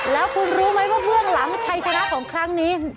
แล้วคุณรู้ไหมว่าเบื้องหลังชัยชนะของครั้งนี้